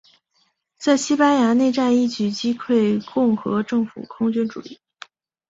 在西班牙内战一举击溃共和政府空军主力。